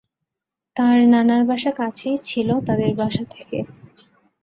তার নানার বাসা কাছেই ছিল তাদের বাসা থেকে।